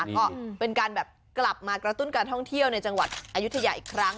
ก็เป็นการแบบกลับมากระตุ้นการท่องเที่ยวในจังหวัดอายุทยาอีกครั้ง